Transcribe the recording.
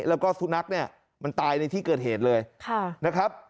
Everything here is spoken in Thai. แล้วก็สุนัขเนี่ยมันตายในที่เกิดเหตุเลยนะครับ